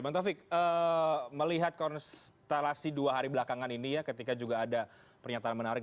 bang taufik melihat konstelasi dua hari belakangan ini ya ketika juga ada pernyataan menarik